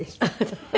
ハハハ。